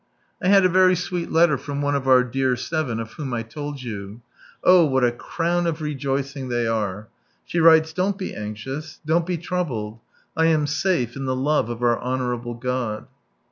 I had a very sweet letter from one of our dear Seven, of whom I told you. Oh, what a crown of rejoicing they are ! She writes, "Don't be anxious, don't be troubled ; I am safe in the love of our Honourable God."